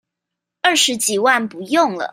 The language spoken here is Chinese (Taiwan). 二十幾萬不用了